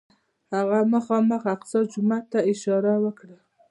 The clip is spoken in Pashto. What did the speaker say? هغه مخامخ الاقصی جومات ته اشاره وکړه.